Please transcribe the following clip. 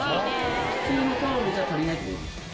普通のタオルじゃ足りないって事ですか？